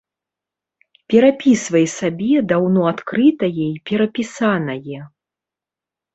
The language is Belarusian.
Перапісвай сабе даўно адкрытае і перапісанае!